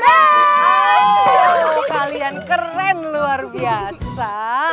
aduh kalian keren luar biasa